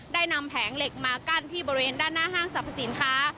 นำแผงเหล็กมากั้นที่บริเวณด้านหน้าห้างสรรพสินค้า